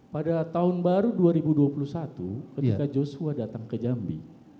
pada tahun baru dua ribu dua puluh satu ketika joshua datang ke jambi dua ribu dua puluh satu